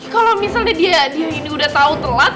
kalo misalnya dia ini udah tau telat